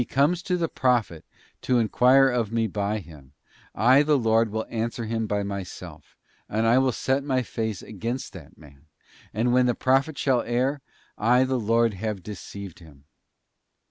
come to the prophet to enquire of Me by him, I the Lord will answer him by Myself, and I will set My face against that man. ... And when the prophet shall err. ... I the Lord have deceived' him.